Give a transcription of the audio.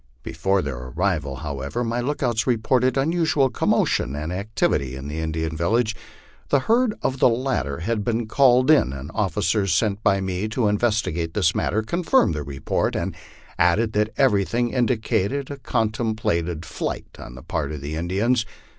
Before their arrival, however, my lookouts reported unusual commotion and activity in the Indian village. The herd of the latter had been called in, and officers sent by me to investigate this matter confirmed the report, and added that everything indicated a contemplated flight on the part of the In dians.